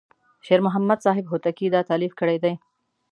شیر محمد صاحب هوتکی دا تألیف کړی دی.